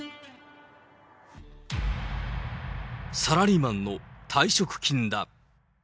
サラリーマンの退職金だ。